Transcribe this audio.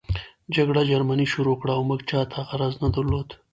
جګړه جرمني شروع کړه او موږ چاته غرض نه درلود